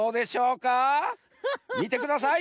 みてください！